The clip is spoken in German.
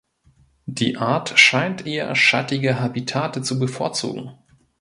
Die Art scheint eher schattige Habitate zu bevorzugen.